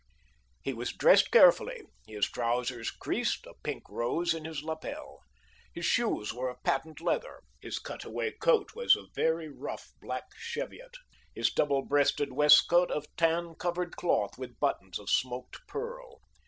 He was dressed carefully, his trousers creased, a pink rose in his lapel. His shoes were of patent leather, his cutaway coat was of very rough black cheviot, his double breasted waistcoat of tan covered cloth with buttons of smoked pearl.